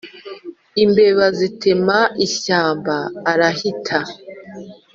Imbeba zitema ishyamba arahita